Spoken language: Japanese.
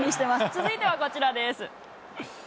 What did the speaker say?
続いてはこちらです。